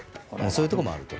そういうところもあると。